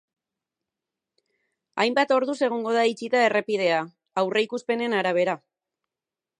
Hainbat orduz egongo da itxita errepidea, aurreikuspenen arabera.